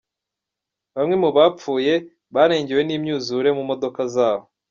Bamwe mu bapfuye barengewe n'imyuzure mu modoka zabo.